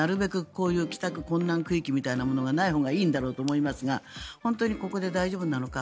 こういう帰宅困難区域みたいなものがないほうがいいんだろうと思いますが本当にここで大丈夫なのか。